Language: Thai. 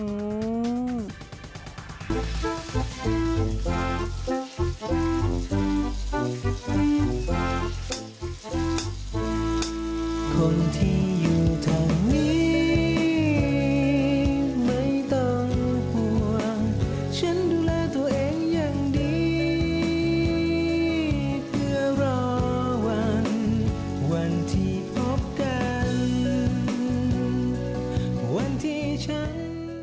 วันที่พบกันวันที่ฉัน